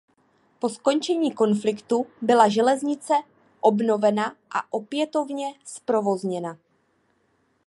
Po skončení konfliktu byla železnice obnovena a opětovně zprovozněna.